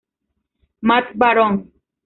Matt Barone.